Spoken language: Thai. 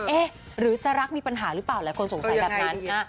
เอ๊ะหรือจะรักมีปัญหาหรือเปล่าหลายคนสงสัยแบบนั้น